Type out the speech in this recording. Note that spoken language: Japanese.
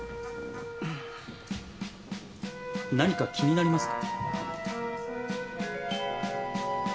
何か気になりますか？